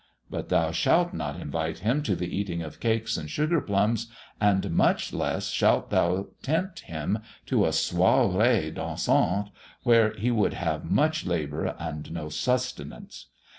But thou shalt not invite him to the eating of cakes and sugar plums, and much less shalt thou tempt him to a soirée dansante, where he would have much labour and no sustenance.